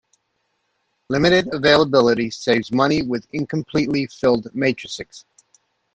Limited availability saves money with incompletely filled matrixes.